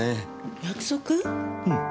うん。